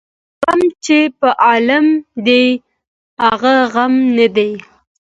ـ غم چې په عالم دى هغه غم نه دى.